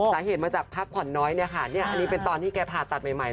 สาเหตุมาจากภาพขวานน้อยค่ะอันนี้เป็นตอนที่แกผ่าตัดใหม่